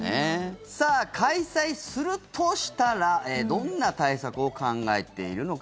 さあ、開催するとしたらどんな対策を考えているのか。